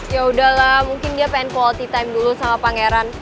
ya udahlah mungkin dia pengen quality time dulu sama pangeran